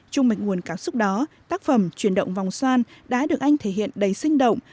chung mạch nguồn cảm xúc đó tác phẩm chuyển động vòng xoan đã được anh thể hiện đầy sinh động